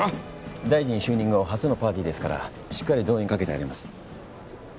大臣就任後初のパーティーですからしっかり動員かけてあります。